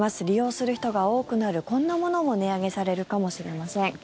利用する人が多くなるこんなものも値上げされるかもしれません。